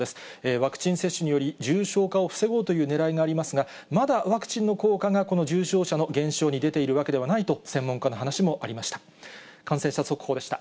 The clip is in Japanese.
ワクチン接種により、重症化を防ごうというねらいがありますが、まだワクチンの効果が、この重症者の減少に出ているわけではないと、専門家の話もありました。